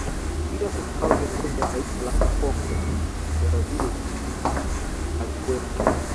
Bila kusahau viongozi wa taifa la Kongo Brazzaville alikuwepo